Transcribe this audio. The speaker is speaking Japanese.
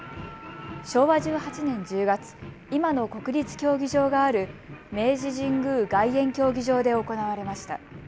昭和１８年１０月、今の国立競技場がある明治神宮外苑競技場で行われました。